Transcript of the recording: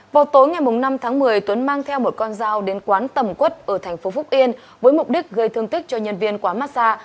vào tối ngày năm tháng một mươi tuấn mang theo một con dao đến quán tầm quất ở thành phố phúc yên với mục đích gây thương tích cho nhân viên quá mát xa